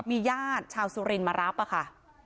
มีญาติชาวสุรินทร์มารับค่ะ